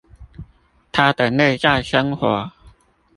他的內在生活